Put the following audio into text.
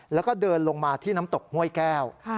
แล้วก็เดินลงมาที่น้ำตกห้วยแก้ว